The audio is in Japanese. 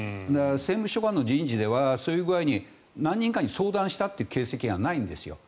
政務秘書官の人事ではそういう具合に何人かに相談したという形跡がないんですよ。